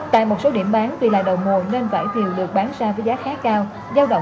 tại một số điểm bán tuy là đầu mùa nên vải thiều sớm và đặc sản của tỉnh bắc giang cũng đã có mặt tại một số điểm bán